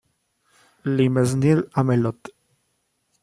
Le Mesnil-Amelot